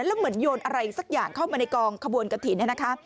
ก็จะเริ่มเหมือนโยนอะไรสักอย่างเข้าไปในกองขบวนกะทินเนี่ยนะคะ